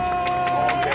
ＯＫ！